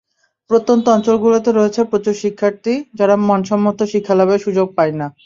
প্রত্যন্ত অঞ্চলগুলোতে রয়েছে প্রচুর শিক্ষার্থী, যারা মানসম্মত শিক্ষালাভের সুযোগ পায় না।